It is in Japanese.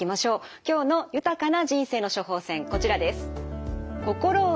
今日の豊かな人生の処方せんこちらです。